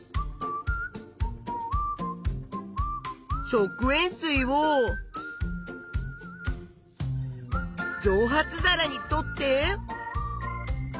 食塩水をじょう発皿に取って。